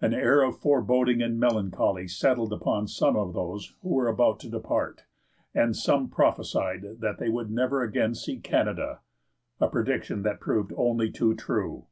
An air of foreboding and melancholy settled upon some of those who were about to depart, and some prophesied that they would never again see Canada, a prediction that proved only too true.